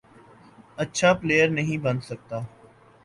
اچھا پلئیر نہیں بن سکتا،